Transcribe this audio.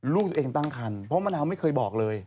ลูกตัวเองตั้งคันเพราะมะนาวไม่เคยบอกเลย